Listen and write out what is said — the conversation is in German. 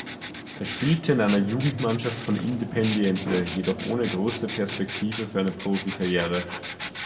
Er spielte in einer Jugendmannschaft von Independiente, jedoch ohne große Perspektive für eine Profikarriere.